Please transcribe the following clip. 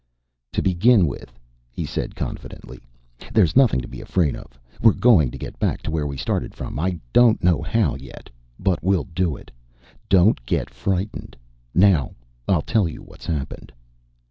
"To begin with," he said confidently, "there's nothing to be afraid of. We're going to get back to where we started from! I don't know how, yet, but we'll do it. Don't get frightened. Now I'll tell you what's happened."